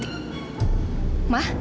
dengar ya baik baik